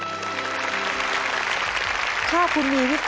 ยินดีกับครอบครัวน้องไฮด้วยนะครับ